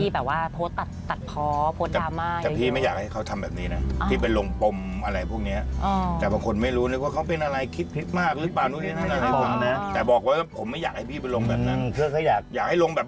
เขาจะเข้าวงการเลยไหมคะ